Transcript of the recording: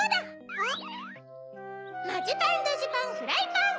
マジパンドジパンフライパン。